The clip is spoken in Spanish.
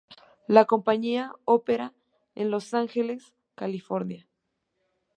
La compañía opera en Los Ángeles, California.